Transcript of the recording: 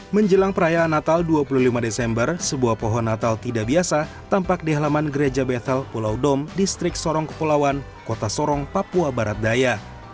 menjelang perayaan natal dua puluh lima desember sebuah pohon natal tidak biasa tampak di halaman gereja betel pulau dom distrik sorong kepulauan kota sorong papua barat daya